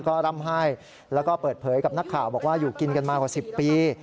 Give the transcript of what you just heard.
ก็ร่ำไห้แล้วก็เปิดเผยกับนักข่าวบอกว่าอยู่กินกันมากว่า๑๐ปี